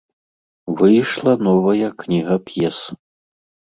Выйшла новая кніга п'ес.